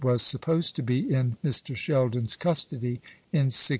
was supposed to be in Mr. Sheldon's custody, in 1687.